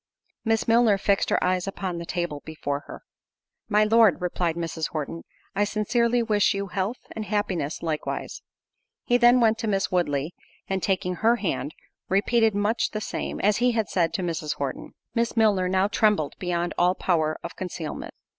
Miss Milner fixed her eyes upon the table before her. "My Lord," replied Mrs. Horton, "I sincerely wish you health and happiness likewise." He then went to Miss Woodley, and taking her hand, repeated much the same, as he had said to Mrs. Horton. Miss Milner now trembled beyond all power of concealment.